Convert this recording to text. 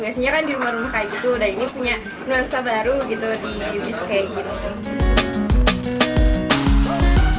biasanya kan di rumah rumah kayak gitu udah ini punya nuansa baru gitu di bisnis kayak gini